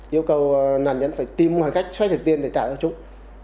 yêu cầu nạn nhân phải tìm mọi cách xoay được tiền để trả cho chúng